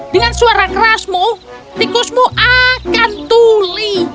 dengan suara kerasmu tikusmu akan tuli